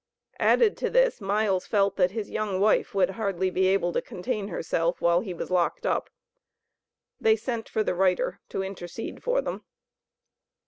Added to this Miles felt that his young wife would hardly be able to contain herself while he was locked up. They sent for the writer to intercede for them.